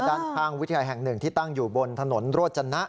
ด้านข้างวิทยาลัยแห่งหนึ่งที่ตั้งอยู่บนถนนโรจนะ